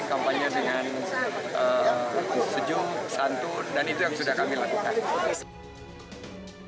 kampanye dengan sejuk santun dan itu yang sudah kami lakukan